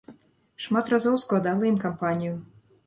Шмат разоў складала ім кампанію.